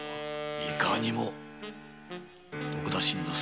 いかにも徳田新之助